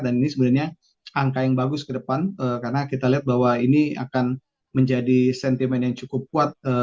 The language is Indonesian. dan ini sebenarnya angka yang bagus ke depan karena kita lihat bahwa ini akan menjadi sentimen yang cukup kuat